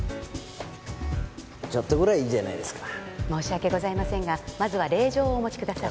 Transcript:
ちょっとぐらいいいじゃないですか申し訳ございませんがまずは令状をお持ちください